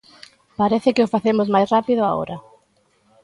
Parece que o facemos máis rápido agora.